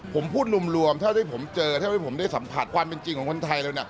ผมพูดรวมเท่าที่ผมเจอเท่าที่ผมได้สัมผัสความเป็นจริงของคนไทยแล้วนะ